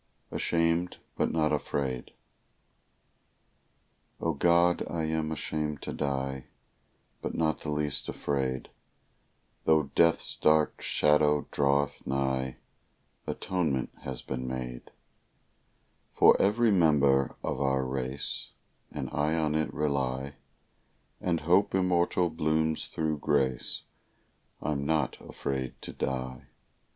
"ASHAMED, BUT NOT AFRAID" O God, I am ashamed to die, But not the least afraid; Tho' death's dark shadow draweth nigh, Atonement has been made For every member of our race, And I on it rely, And hope immortal blooms thro' grace; I'm not afraid to die.